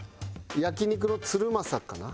焼肉のつるまさかな。